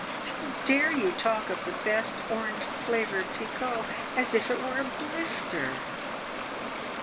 How dare you talk of the best orange flavoured Pekoe as if it were a blister?"